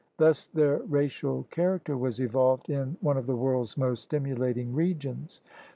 Thus their racial character was evolved in one of the world's most stimulating regions.